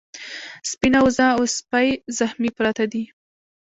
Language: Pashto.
سپينه وزه او سپی زخمي پراته دي.